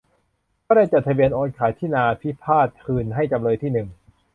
ก็ได้จดทะเบียนโอนขายที่นาพิพาทคืนให้จำเลยที่หนึ่ง